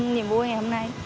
nhìn vui ngày hôm nay